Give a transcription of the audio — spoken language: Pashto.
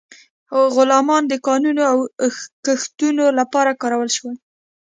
غلامان د کانونو او کښتونو لپاره کارول شول.